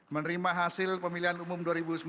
menerima hasil pemilihan umum dua ribu sembilan belas